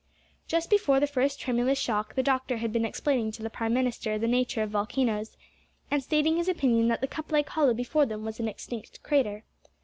Just before the first tremulous shock the doctor had been explaining to the prime minister the nature of volcanoes, and stating his opinion that the cup like hollow before them was an extinct crater.